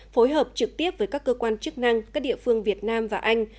phối hợp trực tiếp với các cơ quan chức năng các địa phương việt nam và anh